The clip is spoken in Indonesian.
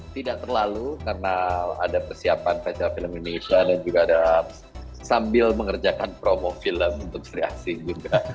tidak terlalu karena ada persiapan festival film indonesia dan juga ada sambil mengerjakan promo film untuk sri asing juga